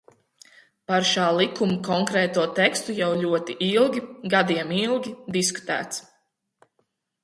Par šā likuma konkrēto tekstu jau ļoti ilgi, gadiem ilgi, diskutēts.